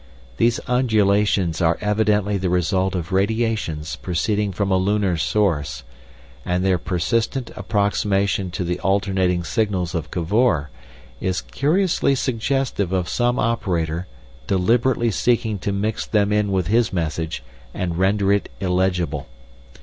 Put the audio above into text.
These undulations are evidently the result of radiations proceeding from a lunar source, and their persistent approximation to the alternating signals of Cavor is curiously suggestive of some operator deliberately seeking to mix them in with his message and render it illegible.